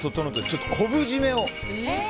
ちょっと昆布締めを。